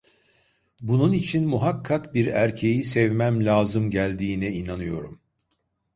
Bunun için muhakkak bir erkeği sevmem lazım geldiğine inanıyorum.